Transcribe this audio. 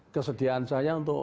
kesediaan saya untuk